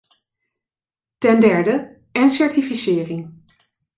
Ten derde, en certificering.